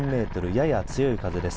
やや強い風です。